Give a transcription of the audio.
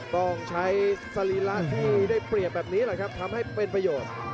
ต้องใช้สรีระที่ได้เปรียบแบบนี้แหละครับทำให้เป็นประโยชน์